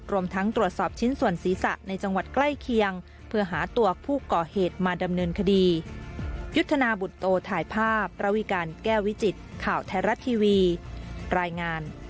รวมทั้งตรวจสอบชิ้นส่วนศีรษะในจังหวัดใกล้เคียง